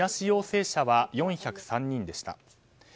陽性者は４０３人でした。